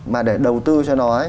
mà để đầu tư cho nó ấy